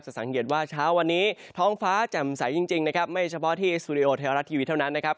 สังเกตว่าเช้าวันนี้ท้องฟ้าแจ่มใสจริงนะครับไม่เฉพาะที่สตูดิโอไทยรัฐทีวีเท่านั้นนะครับ